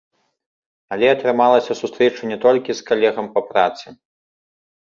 Але атрымалася сустрэча не толькі з калегам па працы.